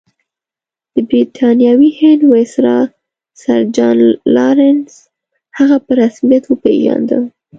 د برټانوي هند ویسرا سر جان لارنس هغه په رسمیت وپېژانده.